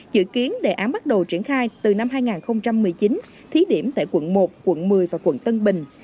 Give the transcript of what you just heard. chữ kiến đề án bắt đầu triển khai từ năm hai nghìn một mươi chín thí điểm tại quận một quận một mươi và quận tân bình